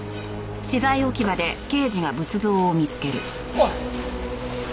おい。